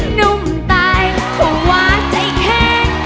หนุ่มตายผัวใจแข็ง